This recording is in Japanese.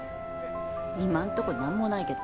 今んとこなんもないけど。